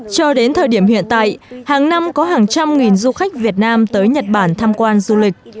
cho đến thời điểm hiện tại hàng năm có hàng trăm nghìn du khách việt nam tới nhật bản tham quan du lịch